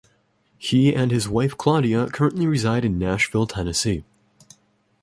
He and his wife Claudia currently reside in Nashville, Tennessee.